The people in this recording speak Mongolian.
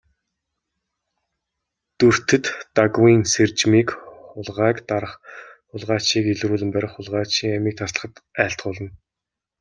Дүртэд Дагвын сэржмийг хулгайг дарах, хулгайчийг илрүүлэн барих, хулгайчийн амийг таслахад айлтгуулна.